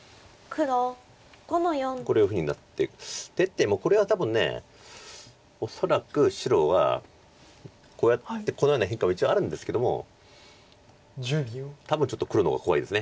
こういうふうになって出てもこれは多分恐らく白はこうやってこのような変化は一応あるんですけども多分ちょっと黒の方が怖いです。